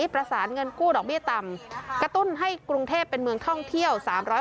ประสานเงินกู้ดอกเบี้ยต่ำกระตุ้นให้กรุงเทพเป็นเมืองท่องเที่ยว๓๐